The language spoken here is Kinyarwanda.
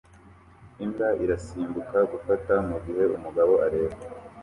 Imbwa irasimbuka gufata mugihe umugabo areba